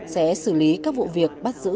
sẽ xử lý các vụ việc bắt giữ